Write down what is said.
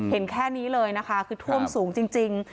เห็นแค่นี้เลยนะคะคือท่วมสูงจริง